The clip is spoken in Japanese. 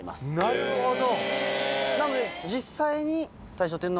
なるほど！